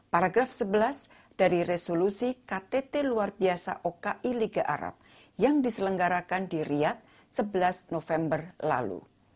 paragraf sebelas dari resolusi ktt luar biasa oki liga arab yang diselenggarakan di riyad sebelas november lalu